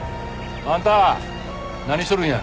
あんた何しとるんや？